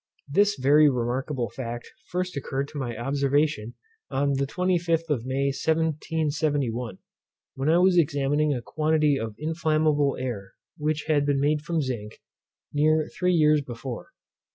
This very remarkable fact first occurred to my observation on the twenty fifth of May 1771, when I was examining a quantity of inflammable air, which had been made from zinc, near three years before.